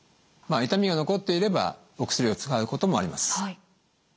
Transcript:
まあ痛みが残っていればお薬を使うこともあります。